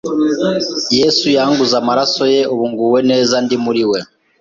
Yesu yanguze amaraso ye, ubu nguwe neza ndi muri we